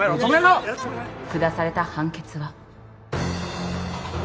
下された判決は。